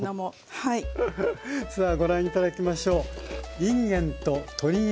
さあご覧頂きましょう。